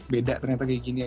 beda ternyata kayak gini aja